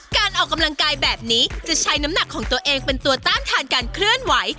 การออกกำลังกายแบบนี้จะใช้น้ำหนักของตัวเองเป็นตัวต้านทานการเคลื่อนไหว